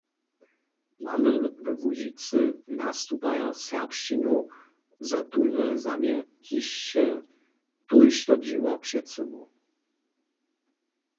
Mamy we Łužicy nastupajo serbšćinu za tónle zaměr hišće tójšto dźěła před sobu.